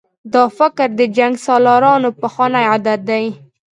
دا فکر د جنګسالارانو پخوانی عادت دی.